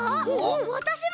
わたしも！